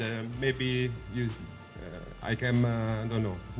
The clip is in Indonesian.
dan mungkin saya akan datang tahun depan